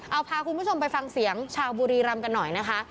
เอาพาคุณผู้ชมไปฟังเสียงชาวบุรีรำกันหน่อยนะคะ